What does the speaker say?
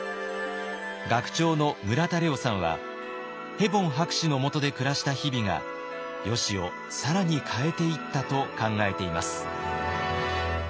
学長の村田玲音さんはヘボン博士のもとで暮らした日々がよしを更に変えていったと考えています。